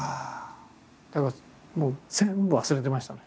だからもう全部忘れてましたね。